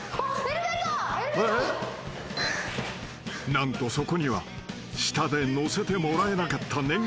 ［何とそこには下で乗せてもらえなかった念願のエレベーターが。